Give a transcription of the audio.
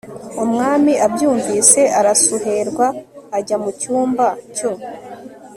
Umwami abyumvise arasuherwa ajya mu cyumba cyo